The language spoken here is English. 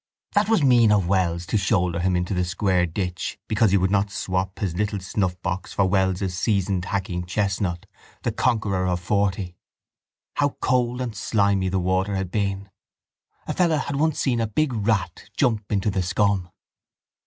That was mean of Wells to shoulder him into the square ditch because he would not swop his little snuffbox for Wells's seasoned hacking chestnut, the conqueror of forty. How cold and slimy the water had been! A fellow had once seen a big rat jump into the scum.